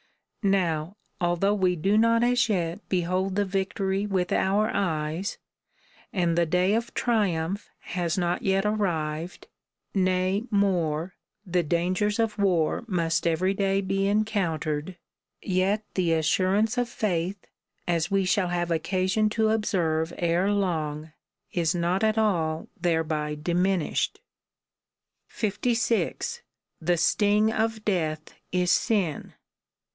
Now, although we do not as yet behold the victory with our eyes, and the day of triumph has not yet arrived, (nay more, the dangers of war must every day be encounter ed,) yet the assurance of faith, as we shall have occasion to observe ere long, is not at all thereby diminished. 56. The sting of death is sin.